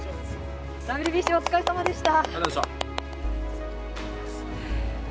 ＷＢＣお疲れ様でした。